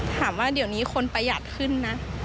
ถามว่าเดี๋ยวนี้คนประหยัดขึ้นนะ